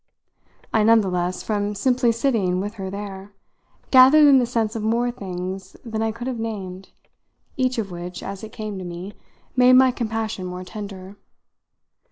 I none the less from simply sitting with her there gathered in the sense of more things than I could have named, each of which, as it came to me, made my compassion more tender.